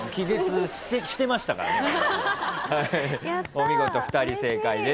お見事２人正解です。